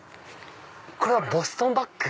これはボストンバッグ？